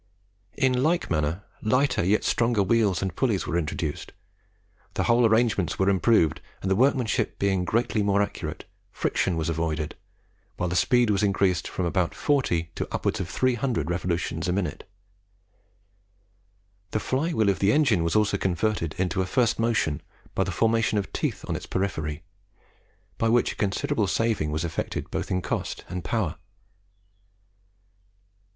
In like manner, lighter yet stronger wheels and pulleys were introduced, the whole arrangements were improved, and, the workmanship being greatly more accurate, friction was avoided, while the speed was increased from about 40 to upwards of 300 revolutions a minute. The fly wheel of the engine was also converted into a first motion by the formation of teeth on its periphery, by which a considerable saving was effected both in cost and power.